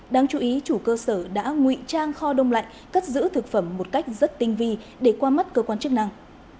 đáng chú ý chủ cơ sở đã ngụy trang kho đông lạnh cất giữ thực phẩm một cách rất tinh vi để qua mắt cơ quan chức năng